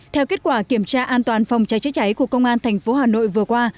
theo kết quả kiểm tra an toàn phòng cháy chữa cháy của công an thành phố hà nội vừa qua